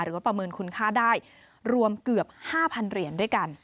ประเมินคุณค่าได้รวมเกือบ๕๐๐เหรียญด้วยกัน